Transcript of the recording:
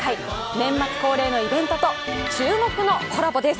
年末恒例のイベントと注目のコラボです。